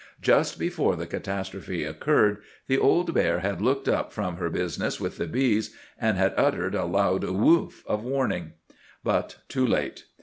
Just before the catastrophe occurred, the old bear had looked up from her business with the bees, and had uttered a loud woof of warning. But too late.